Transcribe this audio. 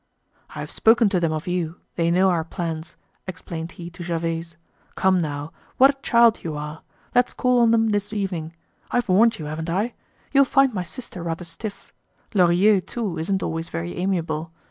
"I have spoken to them of you, they know our plans," explained he to Gervaise. "Come now! What a child you are! Let's call on them this evening. I've warned you, haven't I? You'll find my sister rather stiff. Lorilleux, too, isn't always very amiable.